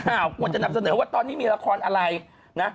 ควรจะนำเสนอว่าตอนนี้มีละครอะไรนะ